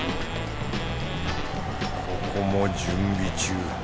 ここも準備中。